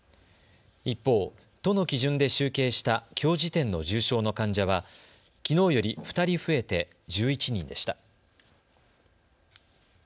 一方、都の基準で集計したきょう時点の重症の患者はきのうより２人増えて１１人でした。